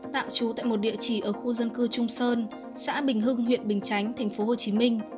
tạm trú tại một địa chỉ ở khu dân cư trung sơn xã bình hưng huyện bình chánh tp hcm